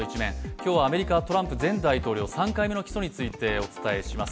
今日はアメリカ・トランプ前大統領３回目の起訴についてお伝えします。